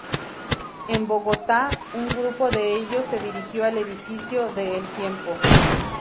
En Bogotá, un grupo de ellos se dirigió al edificio de El Tiempo.